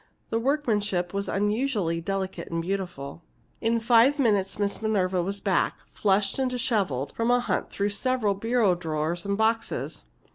The workmanship was unusually delicate and beautiful. In five minutes Miss Minerva was back, flushed and disheveled, from a hunt through several bureau drawers and boxes.